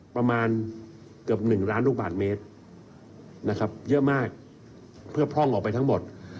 เพื่อพร่องออกไปทั้งหมด